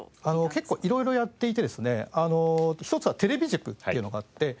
結構色々やっていてですね一つは「テレビ塾」っていうのがあって。